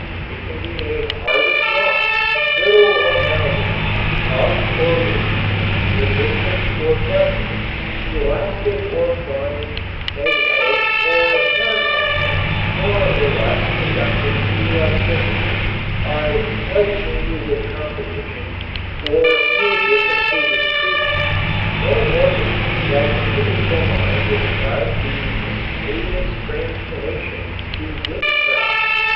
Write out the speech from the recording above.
It can be made hard or soft, brittle or malleable, tough or weak, resistant or flexible, elastic or pliant, magnetic or non magnetic, more or less conductive to electricity, by slight changes of composition or mere differences of treatment. No wonder that the medieval mind ascribed these mysterious transformations to witchcraft.